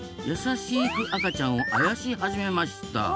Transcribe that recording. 優しく赤ちゃんをあやし始めました。